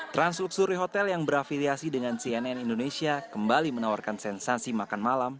translusuri hotel yang berafiliasi dengan cnn indonesia kembali menawarkan sensasi makan malam